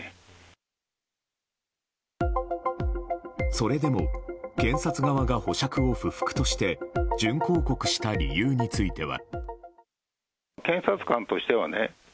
それでも検察側が保釈を不服として準抗告した理由については。